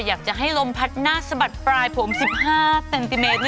อยากจะให้ลมพัดหน้าสะบัดปลายผม๑๕เซนติเมตร